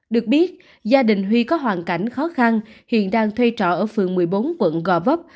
được biết gia đình huy có hoàn cảnh khó khăn hiện đang thuê trọ ở phường một mươi bốn quận gò vấp